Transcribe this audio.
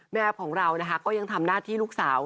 แม่แอ๊บของเราก็ยังทำหน้าที่ลูกสาว